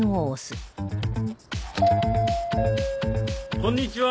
こんにちは。